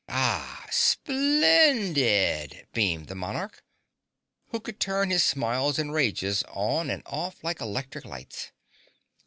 "Ah, SPLENDID!" beamed the monarch, who could turn his smiles and rages on and off like electric lights.